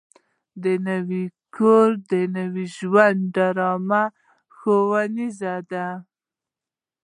د نوي کور نوي ژوند ډرامه ښوونیزه ده.